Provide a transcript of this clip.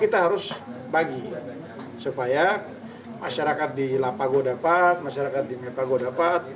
kita harus bagi supaya masyarakat di lapago dapat masyarakat di mepago dapat